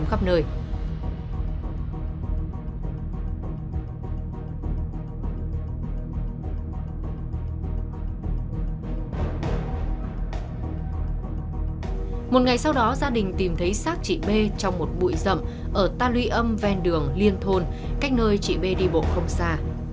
một ngày sau đó gia đình tìm thấy sát chị bê trong một bụi rậm ở tan luy âm ven đường liên thôn cách nơi chị bê đi bộ không xa